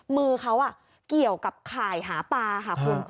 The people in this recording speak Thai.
มือเขาเกี่ยวกับข่ายหาปลาค่ะคุณ